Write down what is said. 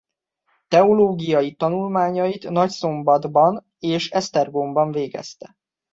Teológiai tanulmányait Nagyszombatban és Esztergomban végezte.